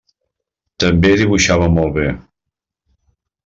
També dibuixava molt bé.